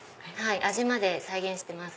味まで再現してます。